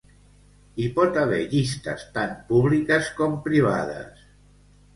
Hi pot haver llistes tant públiques com privades.